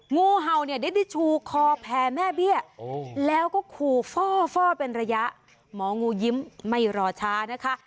งูเห่าเนี่ยได้ชูคอแผ่แม่เบี้ยแล้วก็ขู่ฟ่อเป็นระยะหมองูยิ้มไม่รอช้านะคะ